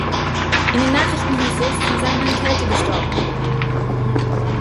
In den Nachrichten hieß es, sie seien an Kälte gestorben.